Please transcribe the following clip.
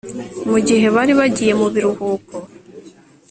mu gihe bari bagiye mu biruhuko